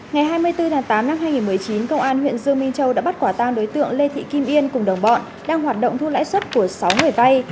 ngày hai mươi bốn tháng tám năm hai nghìn một mươi chín công an huyện dương minh châu đã bắt quả tang đối tượng lê thị kim yên cùng đồng bọn đang hoạt động thu lãi suất của sáu người vay